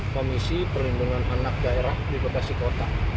komisi perlindungan anak daerah di bekasi kota